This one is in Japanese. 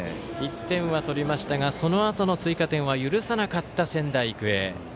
１点は取りましたがそのあとの追加点は許さなかった仙台育英。